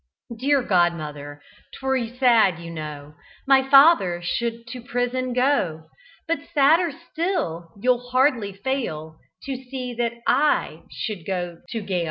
Dear godmother! 'twere sad, you know, My father should to prison go; But sadder still (you'll hardly fail To see) that I should go to gaol.